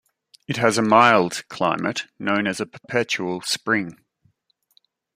It has a mild climate, known as a "perpetual Spring".